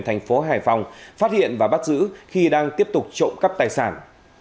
thành phố hải phòng phát hiện và bắt giữ khi đang tiếp tục trộm cắp tài sản